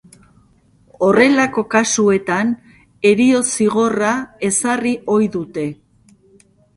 Horrelako kasuetan, heriotz zigorra ezarri ohi dute.